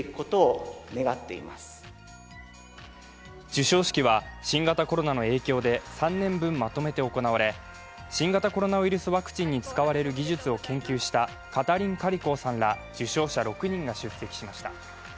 授賞式は新型コロナの影響で３年分まとめて行われ新型コロナウイルスワクチンに使われる技術に貢献したカタリン・カリコーさんら受賞者６人が出席しました。